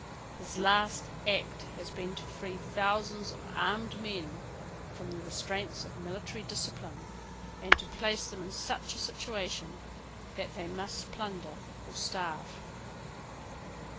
His last act has been to free thousands of armed men from the restraints of military discipline, and to place them in such a situation that they must plunder or starve.